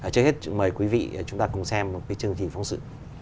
trước hết mời quý vị chúng ta cùng xem một cái chương trình phóng sự